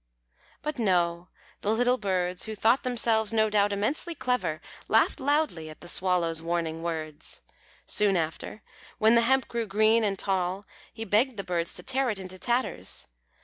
But no, the little birds, Who thought themselves, no doubt, immensely clever, Laughed loudly at the Swallow's warning words. Soon after, when the hemp grew green and tall, He begged the Birds to tear it into tatters.